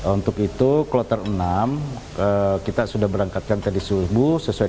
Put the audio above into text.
untuk itu kloter enam kita sudah berangkatkan tadi subuh sesuai